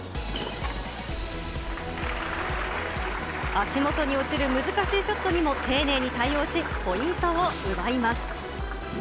足元に落ちる難しいショットにも丁寧に対応し、ポイントを奪います。